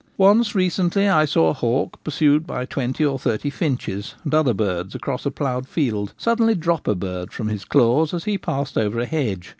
Only recently I saw a hawk, pursued by twenty or thirty finches, and other birds across a ploughed field, suddenly drop a bird from his claws as he passed over a hedge.